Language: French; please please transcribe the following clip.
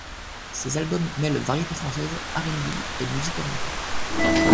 Ses albums mêlent variété française, R'n'B et musique orientale.